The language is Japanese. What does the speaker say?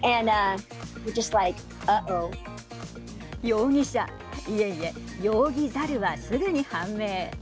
容疑者いえいえ、容疑猿はすぐに判明。